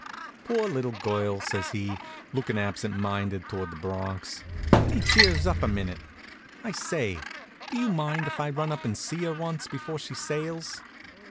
"Poor little girl!" says he, looking absent minded towards the Bronx. Then he cheers up a minute. "I say, do you mind if I run up and see her once before she sails?"